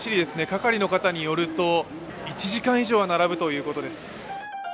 係の方によると、１時間以上は並ぶということです。